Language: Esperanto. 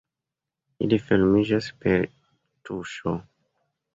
Ili fermiĝas per tuŝo.